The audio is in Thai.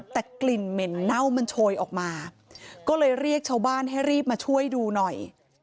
แต่กลิ่นเหม็นเน่ามันโชยออกมาก็เลยเรียกชาวบ้านให้รีบมาช่วยดูหน่อย